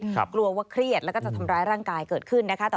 กลัวว่าเครียดแล้วก็จะทำร้ายร่างกายเกิดขึ้นนะคะ